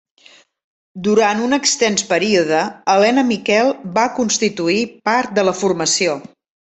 Durant un extens període Helena Miquel va constituir part de la formació.